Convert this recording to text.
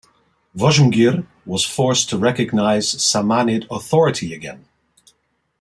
Voshmgir was forced to recognize Samanid authority again.